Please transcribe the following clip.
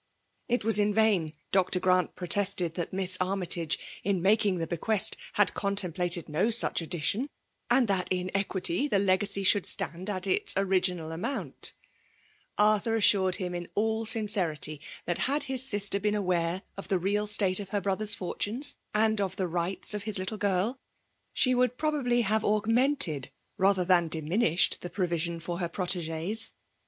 It was in vain Dr. Ghrant protested that Miss Armytage, in making tilie hecpiesty had contemplated no such addition; and that» in equity, the legacy should stand at its original amount : Arthur assured him in all sincerity, that had his sister been aware of the real state of her brother's fortunes, and of the rights of his little girl, she would probacy have augmented rather than diminished tha provision for her proiegees.